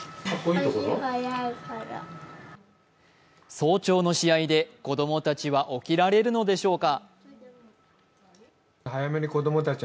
早朝の試合で子供たちは起きられるのでしょうか。